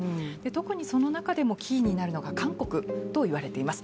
特にその中でもキーになるのが韓国といわれています。